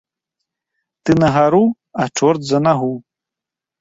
Ты на гару, а чорт за нагу.